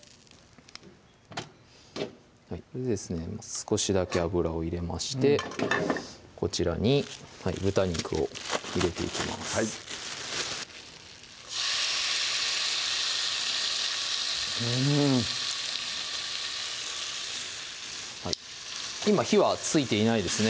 少しだけ油を入れましてこちらに豚肉を入れていきますはいうん今火はついていないですね